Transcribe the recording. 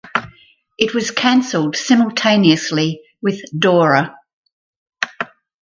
It was canceled simultaneously with "Dora".